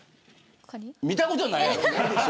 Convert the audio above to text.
見たことないやろ。